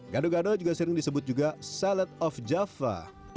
gado gado juga sering disebut juga salet of java